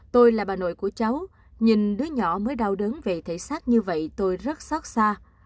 tôi là bà nội của cháu nhìn đứa nhỏ mới đau đớn về thể xác như vậy tôi rất xót xa